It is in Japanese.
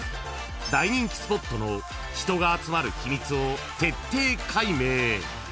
［大人気スポットの人が集まる秘密を徹底解明］